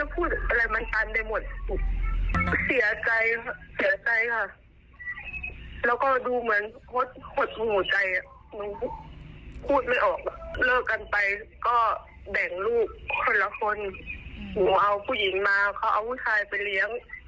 ผมเอาผู้หญิงมาเขาเอาลูกชายไปเลี้ยง